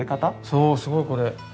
そうすごいこれ。